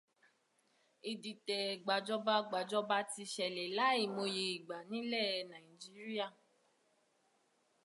Ìdìtẹ̀gbàjọba gbàjọba ti ṣẹlẹ̀ láìmọye ìgbà nílè Nàíjíríà.